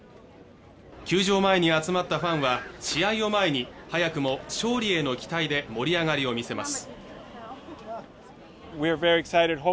球場前に集まったファンは試合を前に早くも勝利への期待で盛り上がりを見せます